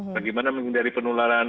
bagaimana menghindari penularan